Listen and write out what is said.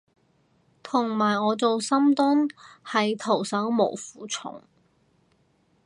同埋我做深蹲係徒手冇負重